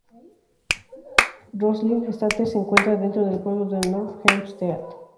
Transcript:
Roslyn Estates se encuentra dentro del pueblo de North Hempstead.